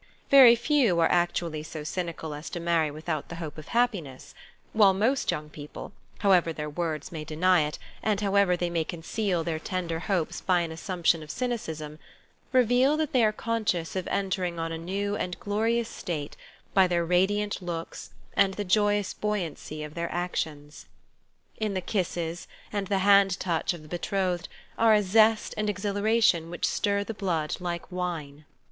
Very few are actually so cynical as to marry without the hope of happiness; while most young people, how ever their words may deny it and however they may conceal their tender hopes by an assumption of cynicism, reveal that they are conscious of entering on a new and glorious state by their radiant looks and the joyous buoyancy of their actions. In the kisses The Heart's Desire 3 and the hand touch of the betrothed are a zest and exhilaration which stir the blood like wine.